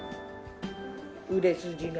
売れ筋が。